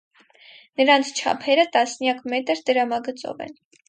Նրանց չափերը տասնյակ մետր տրամագծով են։